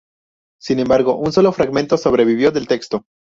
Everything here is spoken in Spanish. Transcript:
Sin embargo, solo un fragmento sobrevivió del texto.